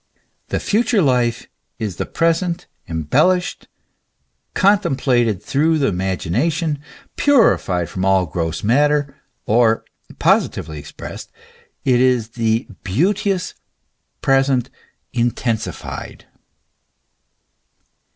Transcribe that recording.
The future life is the present embel lished, contemplated through the imagination, purified from all gross matter; or, positively expressed, it is the beauteous present intensified.